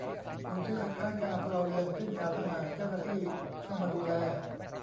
ลงชื่อคัดค้านการเอาพลเรือนขึ้นศาลทหาร เจ้าหน้าที่เข้ามาดูแล